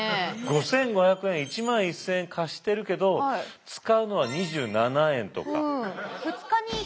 ５，５００円１万１，０００円貸してるけど使うのは２７円とか。